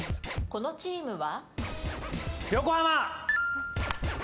このチームは？